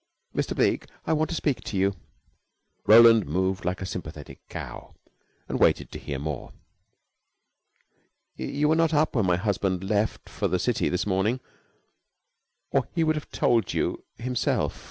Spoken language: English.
"Mr. Bleke, I want to speak to you." Roland moved like a sympathetic cow, and waited to hear more. "You were not up when my husband left for the city this morning, or he would have told you himself.